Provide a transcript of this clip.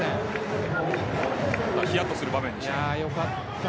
ヒヤッとする場面でしたね。